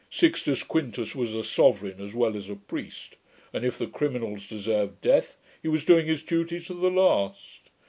Sixtus Quintus was a sovereign as well as a priest; and, if the criminals deserved death, he was doing his duty to the last.